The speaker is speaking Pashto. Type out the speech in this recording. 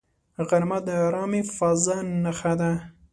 غرمه د آرامې فضاء نښه ده